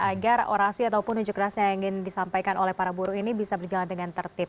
agar orasi ataupun unjuk rasa yang ingin disampaikan oleh para buruh ini bisa berjalan dengan tertib